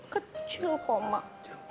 kecil kok mak